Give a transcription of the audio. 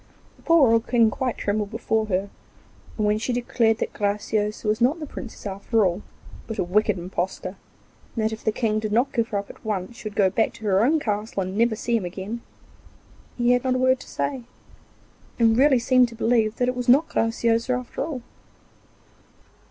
The poor old King quite trembled before her, and when she declared that Graciosa was not the Princess at all, but a wicked impostor, and that if the King did not give her up at once she would go back to her own castle and never see him again, he had not a word to say, and really seemed to believe that it was not Graciosa after all.